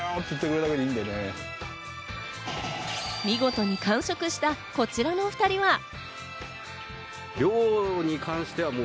見事に完食したこちらの２人は。